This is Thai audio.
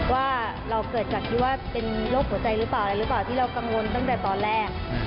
ว่าเราเกิดจากที่ว่าเป็นโรคหัวใจหรือเปล่าอะไรหรือเปล่าที่เรากังวลตั้งแต่ตอนแรก